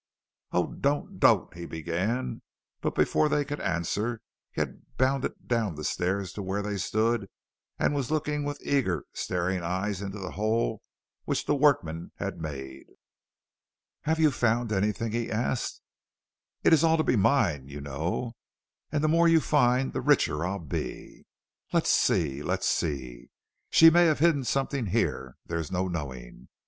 "Oh, don't! don't!" he began; but before they could answer, he had bounded down the stairs to where they stood and was looking with eager, staring eyes into the hole which the workmen had made. "Have you found anything?" he asked. "It is to be all mine, you know, and the more you find the richer I'll be. Let's see let's see, she may have hidden something here, there is no knowing."